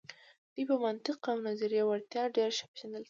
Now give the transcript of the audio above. دوی په منطق او نظري وړتیا ډیر ښه پیژندل شوي.